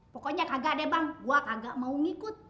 pokoknya kagak deh bang gue kagak mau ngikut